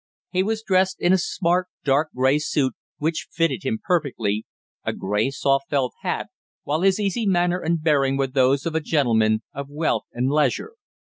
He was dressed in a smart dark grey suit, which fitted him perfectly, a grey soft felt hat, while his easy manner and bearing were those of a gentleman of wealth and leisure.